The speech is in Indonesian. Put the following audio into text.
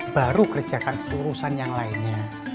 baru kerjakan urusan yang lainnya